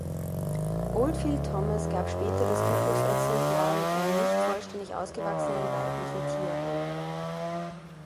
Oldfield Thomas gab später das Typusexemplar mit einem nicht vollständig ausgewachsenen weiblichen Tier an.